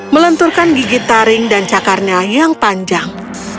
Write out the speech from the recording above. melenturkan gigit taring dan cakarnya yang panjang